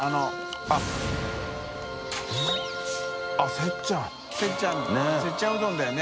せっちゃんうどん」だよね。